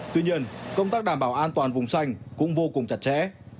tuy nhiên công tác đảm bảo an toàn vùng xanh cũng vô cùng chặt chẽ